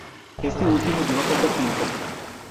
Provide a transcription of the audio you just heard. Este último duró poco tiempo.